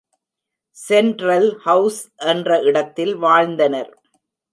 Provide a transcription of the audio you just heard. Central house என்ற இடத்தில் வாழ்ந்தனர்.